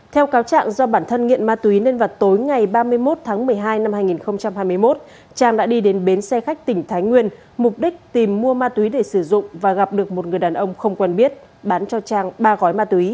theo cáo trạng do bản thân nghiện ma túy nên vào tối ngày ba mươi một tháng một mươi hai năm hai nghìn hai mươi một trang đã đi đến bến xe khách tỉnh thái nguyên mục đích tìm mua ma túy để sử dụng và gặp được một người đàn ông không quen biết bán cho trang ba gói ma túy